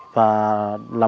và đặc biệt là